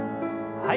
はい。